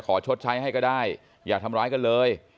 ชดใช้ให้ก็ได้อย่าทำร้ายกันเลย